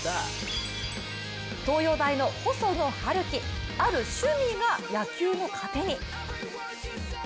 東洋大の細野晴希、ある趣味が野球の糧に。